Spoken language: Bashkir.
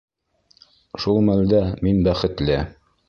Шул мәлдә мин бәхетле.